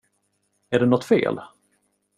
Är det nåt fel?